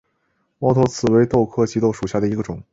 猫头刺为豆科棘豆属下的一个种。